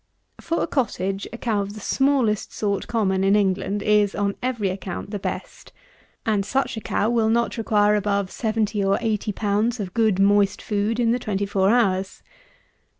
For a cottage, a cow of the smallest sort common in England is, on every account, the best; and such a cow will not require above 70 or 80 pounds of good moist food in the twenty four hours.